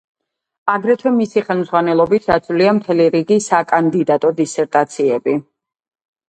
აგრეთვე მისი ხელმძღვანელობით დაცულია მთელი რიგი საკანდიდატო დისერტაციები.